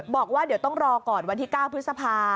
บอกว่าเดี๋ยวต้องรอก่อนวันที่๙พฤษภา